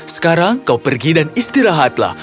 sekarang kau pergi dan istirahatlah